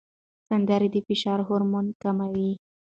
سندرې د فشار هورمون کموي.